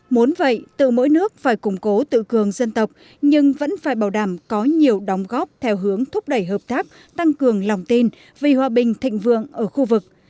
muốn vậy tự mỗi nước phải củng cố tự cường dân tộc nhưng vẫn phải bảo đảm có nhiều đóng góp theo hướng thúc đẩy hợp tác tăng cường lòng tin vì hòa bình thịnh vượng ở khu vực